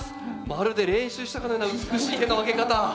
まるで練習したかのような美しい手の挙げ方。